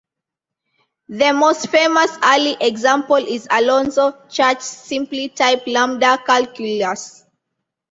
The most famous early example is Alonzo Church's simply typed lambda calculus.